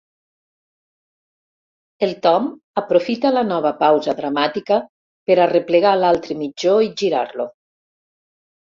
El Tom aprofita la nova pausa dramàtica per arreplegar l'altre mitjó i girar-lo.